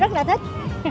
rất là thích